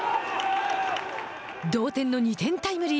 同点の２点タイムリー。